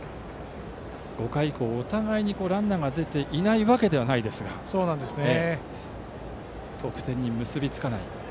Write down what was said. ５回以降、お互いにランナーが出ていないわけではないですが得点に結びつかない。